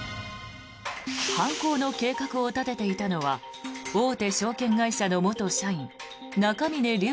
犯行の計画を立てていたのは大手証券会社の元社員中峯竜晟